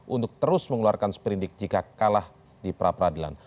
untuk terus mengeluarkan seperindik jika kalah di pra peradilan